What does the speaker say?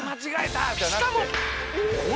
しかも。